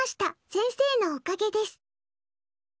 先生のおかげです。